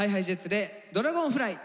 で「ドラゴンフライ」。